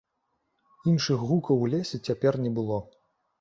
Іншых гукаў у лесе цяпер не было.